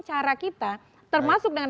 cara kita termasuk dengan